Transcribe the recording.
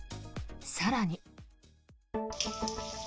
更に。